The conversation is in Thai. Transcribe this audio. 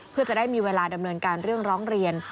เพื่อจะได้มีเวลาดำเนินการเรื่องร้องเรียน